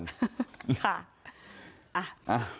ค่ะ